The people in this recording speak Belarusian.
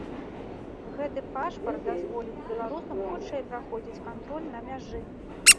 Гэты пашпарт дазволіць беларусам хутчэй праходзіць кантроль на мяжы.